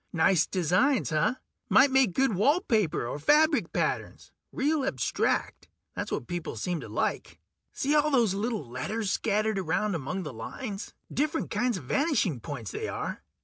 Nice designs, huh? Might make good wall paper or fabric patterns. Real abstract ... that's what people seem to like. See all those little letters scattered around among the lines? Different kinds of vanishing points, they are.